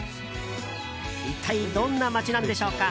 一体どんな街なんでしょうか。